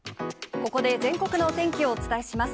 ここで全国のお天気をお伝えします。